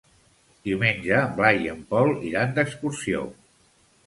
Diumenge en Blai i en Pol iran d'excursió.